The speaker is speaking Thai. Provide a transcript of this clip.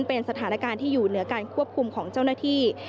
เป็นสถานการณ์ที่อยู่เหนือการควบคุมของเจ้าหน้าที่